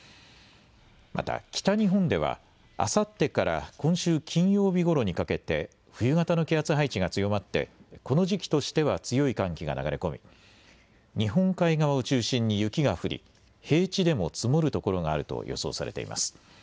また北日本では、あさってから今週金曜日ごろにかけて冬型の気圧配置が強まって、この時期としては強い寒気が流れ込み、日本海側を中心に雪が降り平地でも積もるところがあると予想されています。